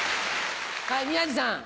はい宮治さん。